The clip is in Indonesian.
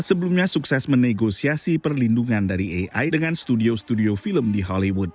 sebelumnya sukses menegosiasi perlindungan dari ai dengan studio studio film di hollywood